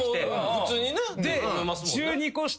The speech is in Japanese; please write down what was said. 普通にな。